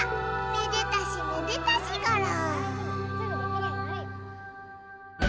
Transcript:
めでたしめでたしゴロ。